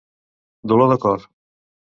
Dolor de cor.